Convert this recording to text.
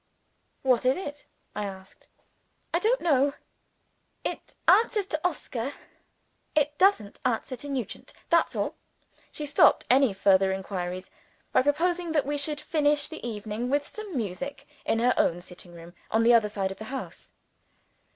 "What is it?" I asked. "I don't know. It answers to Oscar. It doesn't answer to Nugent that's all." She stopped any further inquiries by proposing that we should finish the evening with some music, in her own sitting room, on the other side of the house.